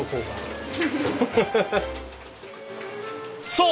そう！